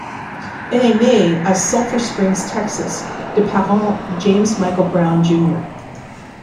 Elle est née à Sulphur Springs, Texas de parents James Michael Brown, Jr.